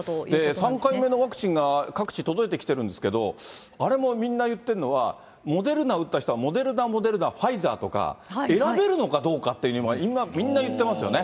３回目のワクチンが各地、届いてきているんですけれども、あれもみんな、言ってるのは、モデルナ打った人はモデルナ、モデルナ、ファイザーとか、選べるのかどうかというのが、みんな言ってますよね。